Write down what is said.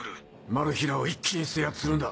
マル被らを一気に制圧するんだ。